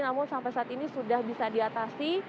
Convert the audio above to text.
namun sampai saat ini sudah bisa diatasi